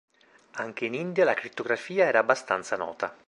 Anche in India la crittografia era abbastanza nota.